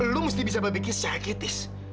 lo mesti bisa berpikir secara kritis